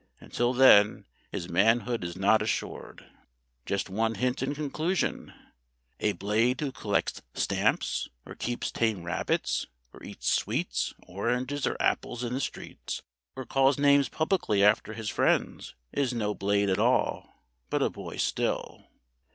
Until then his manhood is not assured. Just one hint in conclusion. A Blade who collects stamps, or keeps tame rabbits, or eats sweets, oranges, or apples in the streets, or calls names publicly after his friends, is no Blade at all, but a boy still.